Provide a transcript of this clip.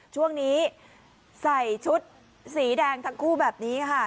ช่วงนี้ใส่ชุดสีแดงทั้งคู่แบบนี้ค่ะ